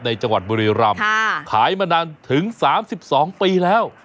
จังหวัดบุรีรำขายมานานถึง๓๒ปีแล้ว